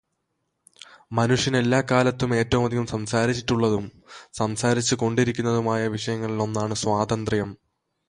മനുഷ്യൻ എല്ലാ കാലത്തും ഏറ്റവുമധികം സംസാരിച്ചിട്ടുള്ളതും സംസാരിച്ചു കൊണ്ടിരിക്കുന്നതുമായ വിഷയങ്ങളിൽ ഒന്നാണ് സ്വാതന്ത്ര്യം.